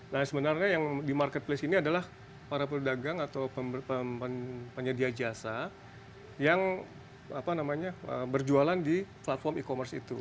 nah sebenarnya yang di marketplace ini adalah para pedagang atau penyedia jasa yang berjualan di platform e commerce itu